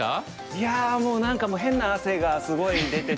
いやもう何か変な汗がすごい出て。